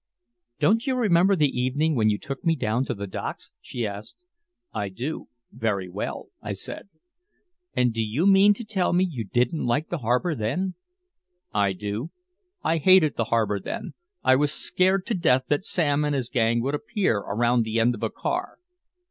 "Don't you remember the evening when you took me down to the docks?" she asked. "I do very well," I said. "And do you mean to tell me you didn't like the harbor then?" "I do I hated the harbor then. I was scared to death that Sam and his gang would appear around the end of a car."